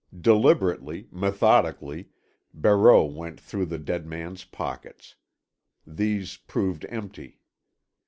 Deliberately, methodically, Barreau went through the dead man's pockets. These proved empty.